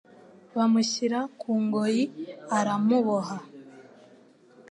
bamushyira ku ngoyi Aramuboha